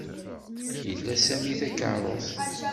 Ila Sami takeṛṛust.